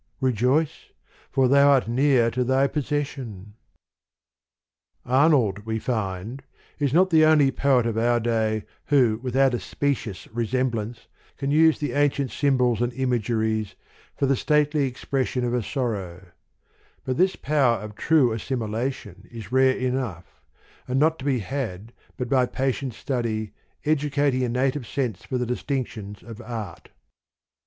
Rejoice ! for thou art near to thy possession. y THE POEMS OF MR. BRIDGES. Arnold, we find, is not the only poet of our day, who without a specious resem blance can use the ancient symbols and imageries, for the stately expression of a sorrow : but this power of true assimilation is rare enough, and not to be had, but by patient study educating a native sense for the distinctions of art.